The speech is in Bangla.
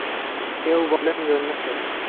কেউ বলেন, জন্মেছে।